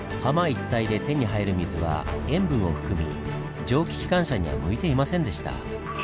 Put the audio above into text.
一帯で手に入る水は塩分を含み蒸気機関車には向いていませんでした。